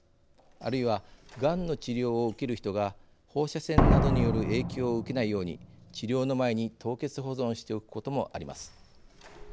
あるいはがんの治療を受ける人が放射線などによる影響を受けないように治療の前に凍結保存しておくこともあります。